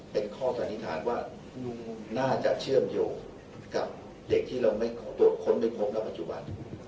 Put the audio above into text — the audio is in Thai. เป็นข้อสันนิษฐานว่าลุงน่าจะเชื่อมโยงกับเด็กที่เราไม่ตรวจค้นไม่พบณปัจจุบัน